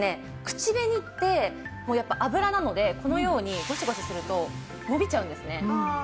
口紅ってやっぱ油なのでこのようにゴシゴシすると伸びちゃうんですね。